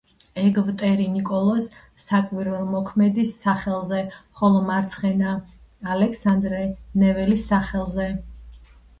ერთი კვირის შემვეგ აკურთხეს მარჯვენა ეგვტერი ნიკოლოზ საკვირველთმოქმედის სახელზე, ხოლო მარცხენა ალექსანდრე ნეველის სახელზე.